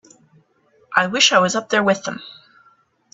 I wish I was up there with them.